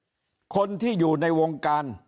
เพื่อจะนำไปลงทะเบียนขอใช้สิทธิ์เลือกตั้งล่วงหน้านอกเขต